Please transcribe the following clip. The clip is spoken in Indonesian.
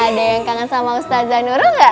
ada yang kangen sama ustaz zanuru gak